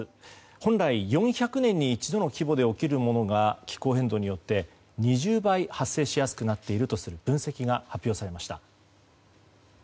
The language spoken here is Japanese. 本来、４００年に一度の規模で起きるものが気候変動によって、２０倍発生しやすくなっているとする分析が発表されました。